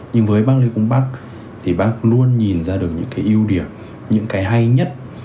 nhưng với bác lê công bắc thì bác luôn nhìn ra được những cái ưu điểm những cái hay nhất